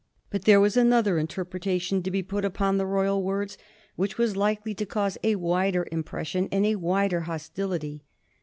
But there was another interpretation to be put upon the royal words which was likely to cause a wider impression and a wider hostility.